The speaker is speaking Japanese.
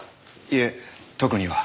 いえ特には。